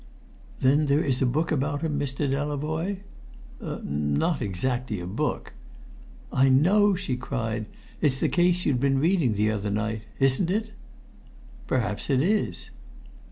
"Then there is a book about him, Mr. Delavoye?" "Not exactly a book." "I know!" she cried. "It's the case you'd been reading the other night isn't it?" "Perhaps it is."